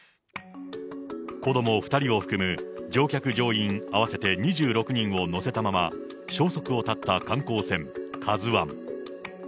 子ども２人を含む乗客・乗員合わせて２６人を乗せたまま、消息を絶った観光船、カズワン。